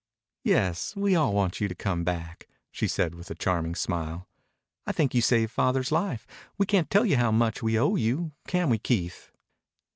"Yes, we all want you to come back," she said with a charming smile. "I think you saved Father's life. We can't tell you how much we owe you. Can we, Keith?"